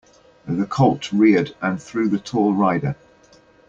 The colt reared and threw the tall rider.